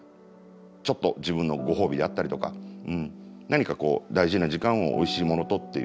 ちょっと自分のご褒美であったりとか何かこう大事な時間をおいしいものとっていう。